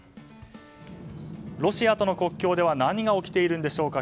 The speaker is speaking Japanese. ロシアとの国境では何が起きているんでしょうか。